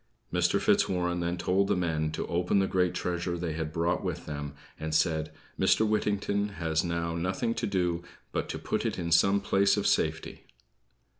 Mr. Fitzwarren then told the men to open the great treasure they had brought with them, and said, "Mr. Whittington has now nothing to do but to put it in some place of safety."